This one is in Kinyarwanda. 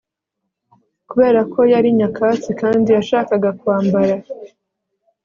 Kubera ko yari nyakatsi kandi yashakaga kwambara